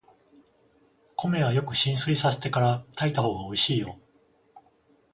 米はよく浸水させてから炊いたほうがおいしいよ。